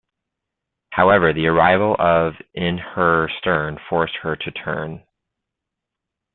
However, the arrival of in her stern forced her to turn.